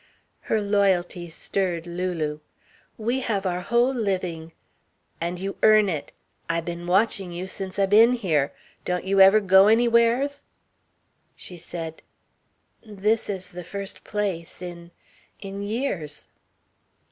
Her loyalty stirred Lulu. "We have our whole living " "And you earn it. I been watching you since I been here. Don't you ever go anywheres?" She said: "This is the first place in in years."